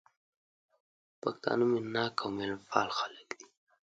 پښتانه مينه ناک او ميلمه پال خلک دي